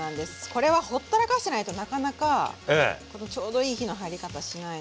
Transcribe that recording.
これはほったらかしてないとなかなかこのちょうどいい火の入り方しないので。